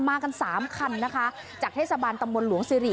มากันสามคันนะคะจากเทศบาลตำบลหลวงซีรี